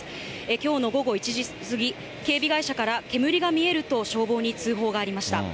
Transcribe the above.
きょうの午後１時過ぎ、警備会社から、煙が見えると、消防に通報がありました。